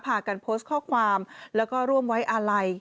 พากันโพสต์ข้อความแล้วก็ร่วมไว้อาลัย